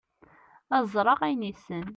ad ẓreɣ ayen yessen